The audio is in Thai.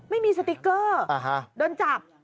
ไม่มีสติ๊กเกอร์โดนจับ